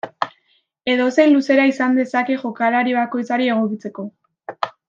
Edozein luzera izan dezake jokalari bakoitzari egokitzeko.